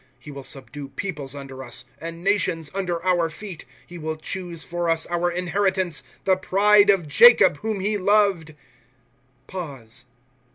^ He will subdue peoples under us, And nations under our feet. * Ho will choose for us our inheritance, The pride of Jacob, whom he loved.